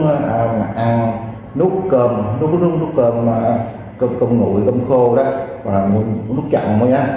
uống ăn nuốt cơm nuốt cơm nuốt cơm cơm nguội cơm khô nuốt chậm mới á